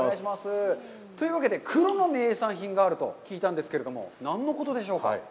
というわけで、黒の名産品があると聞いたんですけど、何のことでしょうか。